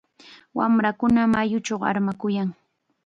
Wamrakuna mayuchaw armakuyan.